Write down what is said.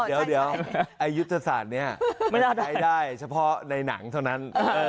เดี๋ยวเดี๋ยวอายุธศาสตร์เนี้ยไม่น่าได้ใช้ได้เฉพาะในหนังเท่านั้น